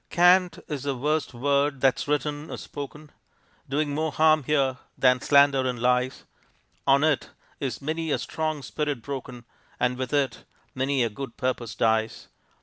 Can't is the worst word that's written or spoken; Doing more harm here than slander and lies; On it is many a strong spirit broken, And with it many a good purpose dies.